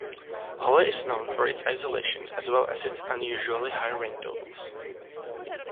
Holly is known for its isolation, as well as its unusually high rain totals.